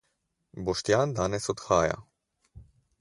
Boštjan danes odhaja.